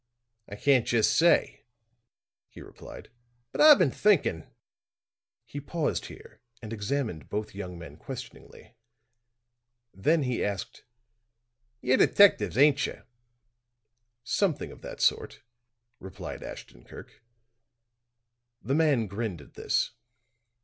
"I can't just say," he replied. "But I've been thinking " he paused here and examined both young men questioningly. Then he asked: "You're detectives, ain't you?" "Something of that sort," replied Ashton Kirk. The man grinned at this.